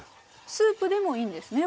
スープでもいいんですね？